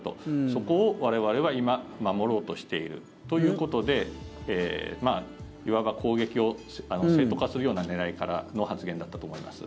そこを我々は今守ろうとしているということでいわば攻撃を正当化するような狙いからの発言だったと思います。